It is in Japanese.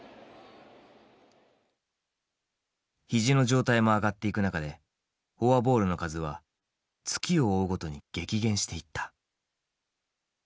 肘の状態も上がっていく中でフォアボールの数は月を追うごとに激減していった。